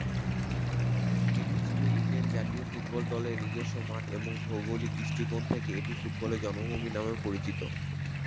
এটি ছিল ইংল্যান্ড জাতীয় ফুটবল দলের নিজস্ব মাঠ এবং ভৌগোলিক দৃষ্টিকোণ থেকে এটি ফুটবলের জন্মভূমি নামেও পরিচিত।